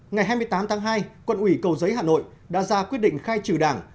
ngày hai mươi tám tháng hai quận ủy cầu giấy hà nội đã ra quyết định khai trừ đảng